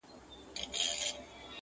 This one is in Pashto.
زه چي غرغړې ته ورختلم اسمان څه ویل٫